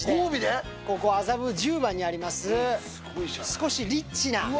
ここ、麻布十番にあります、ちょっとリッチな。